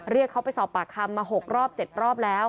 เรียกเขาไปสอบปากคำมา๖รอบ๗รอบแล้ว